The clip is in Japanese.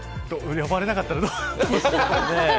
呼ばれなかったらどうしようかと。